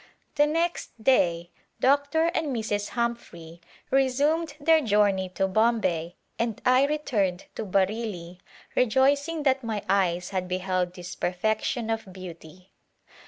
The next day Dr. and Mrs. Humphrey resumed their journey to Bombay and I returned to Bareilly rejoicing that my eyes had beheld this " perfection of beauty."